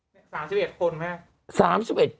อยู่กับ๓๑คนหรือไหม